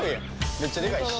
めっちゃでかいし。